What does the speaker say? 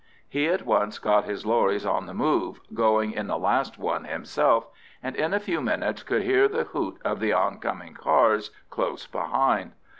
He at once got his lorries on the move, going in the last one himself, and in a few minutes could hear the hoot of the oncoming cars close behind.